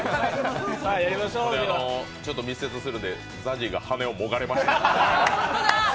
ちょっと密接するので、ＺＡＺＹが羽根をもがれました。